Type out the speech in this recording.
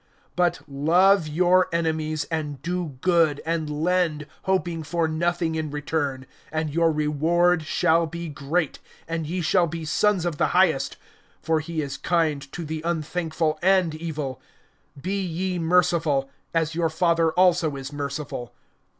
(35)But love your enemies, and do good, and lend, hoping for nothing in return; and your reward shall be great, and ye shall be sons of the Highest; for he is kind to the unthankful and evil. (36)Be ye merciful, as your Father also is merciful.